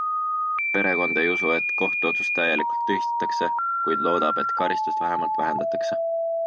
Perekond ei usu, et kohtuotsus täielikult tühistatakse, kuid loodab, et karistust vähemalt vähendatakse.